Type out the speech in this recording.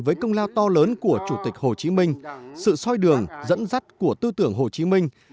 với công lao to lớn của chủ tịch hồ chí minh sự soi đường dẫn dắt của tư tưởng hồ chí minh